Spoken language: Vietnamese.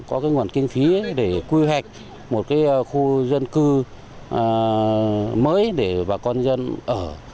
có cái nguồn kinh phí để quy hoạch một cái khu dân cư mới để bà con dân ở